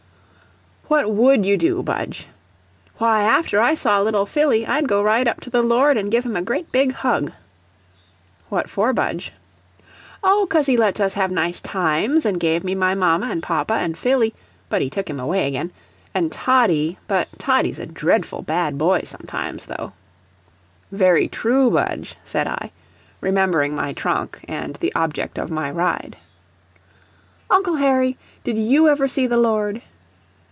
"What WOULD you do, Budge?" "Why, after I saw little Phillie, I'd go right up to the Lord an' give him a great big hug." "What for, Budge?" "Oh, cos he lets us have nice times, an' gave me my mama an' papa, an' Phillie but he took him away again an' Toddie, but Toddie's a dreadful bad boy sometimes, though." "Very true, Budge," said I, remembering my trunk and the object of my ride. "Uncle Harry, did you ever see the Lord?"